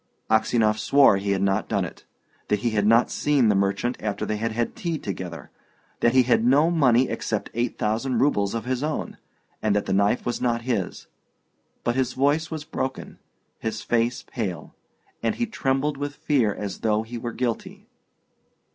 Aksionov swore he had not done it; that he had not seen the merchant after they had had tea together; that he had no money except eight thousand rubles of his own, and that the knife was not his. But his voice was broken, his face pale, and he trembled with fear as though he went guilty.